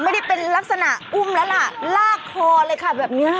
ไม่ได้เป็นลักษณะอุ้มแล้วล่ะลากคอเลยค่ะแบบเนี้ย